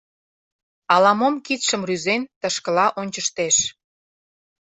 Ала-мом кидшым рӱзен, тышкыла ончыштеш.